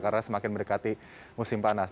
karena semakin mendekati musim panas